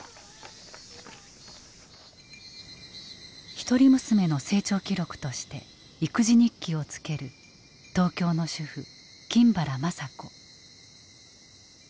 一人娘の成長記録として育児日記をつける東京の主婦金原まさ子。